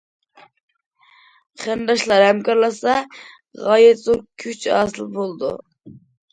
قېرىنداشلار ھەمكارلاشسا، غايەت زور كۈچ ھاسىل بولىدۇ.